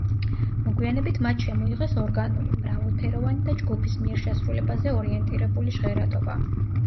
მოგვიანებით მათ შემოიღეს ორგანული, მრავალფეროვანი და ჯგუფის მიერ შესრულებაზე ორიენტირებული ჟღერადობა.